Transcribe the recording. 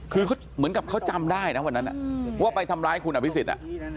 คือเขาเหมือนกับเขาจำได้นะวันนั้นว่าไปทำร้ายคุณอภิษฎ